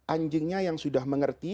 anjingnya yang sudah mengerti